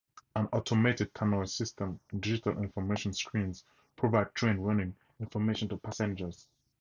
An automated Tannoy system and digital information screens provide train running information to passengers.